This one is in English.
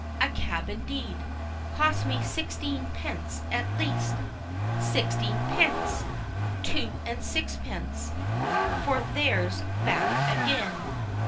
A cab, indeed! Cost me sixteen pence at least sixteen pence! two and sixpence, for there's back again.